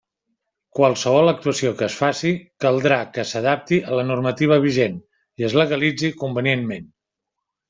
Qualsevol actuació que es faci caldrà que s'adapti a la normativa vigent i es legalitzi convenientment.